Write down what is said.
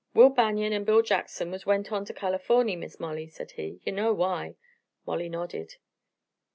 "Will Banion and Bill Jackson has went on to Californy, Miss Molly," said he. "You know why." Mollie nodded.